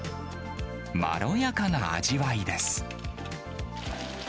まろやかな味わいです。